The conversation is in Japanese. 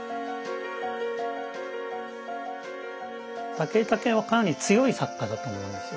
武井武雄はかなり強い作家だと思うんですよ。